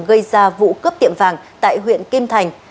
gây ra vụ cướp tiệm vàng tại huyện kim thành